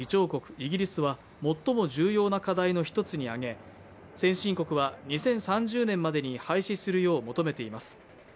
イギリスは最も重要な課題の一つに挙げ、先進国は２０３０年までに廃止するよう求めています。